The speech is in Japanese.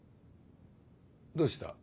どうした？